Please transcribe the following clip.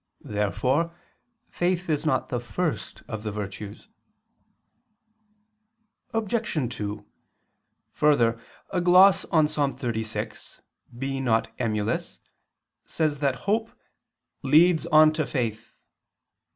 Therefore faith is not the first of the virtues. Obj. 2: Further, a gloss on Ps. 36, "Be not emulous," says that hope "leads on to faith."